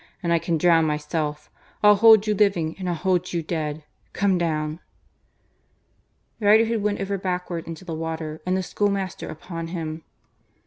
"And I can drown myself. I'll hold you living and I'll hold you dead. Come down!" Riderhood went over backward into the water, and the schoolmaster upon him.